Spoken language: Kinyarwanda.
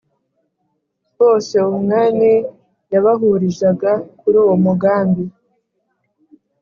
Bose umwami yabahurizaga kuri uwo mugambi.